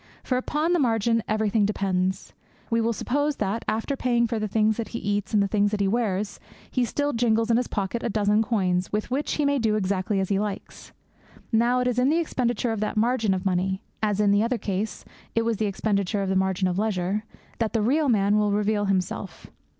For upon the margin everything depends. We will suppose that, after paying for the things that he eats and the things that he wears, he still jingles in his pocket a dozen coins, with which he may do exactly as he likes. Now it is in the expenditure of that margin of money as, in the other case, it was in the expenditure of that margin of leisure that the real man will reveal himself.